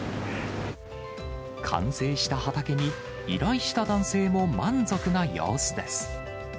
完成した畑に、依頼した男性も満足な様子です。